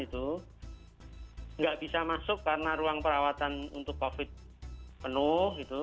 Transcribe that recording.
tidak bisa masuk karena ruang perawatan untuk covid penuh